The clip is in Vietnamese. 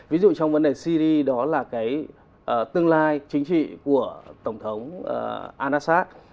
ví dụ trong vấn đề syria đó là cái tương lai chính trị của tổng thống al assad